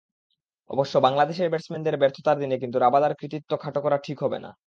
অবশ্য বাংলাদেশের ব্যাটসম্যানদের ব্যর্থতার দিনে কিন্তু রাবাদার কৃতিত্ব খাটো করা ঠিক হবে না।